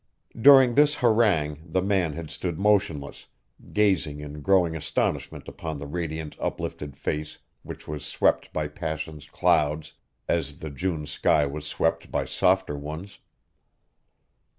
During this harangue the man had stood motionless, gazing in growing astonishment upon the radiant uplifted face which was swept by passion's clouds, as the June sky was swept by softer ones.